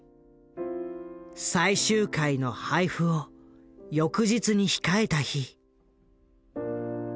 最終回の配布を翌日に控えた日。